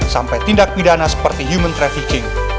sampai tindak pidana seperti human trafficking